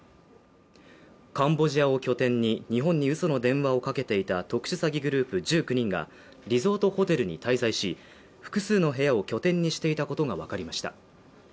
カンボジアを拠点に日本に嘘の電話をかけていた特殊詐欺グループ１９人がリゾートホテルに滞在し、複数の部屋を拠点にしていたことがわかりました。